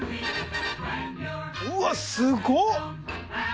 うわすごっ！